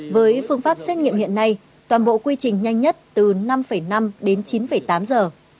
với phương pháp xét nghiệm hiện nay toàn bộ quy trình nhanh nhất từ năm năm đến chín tám giờ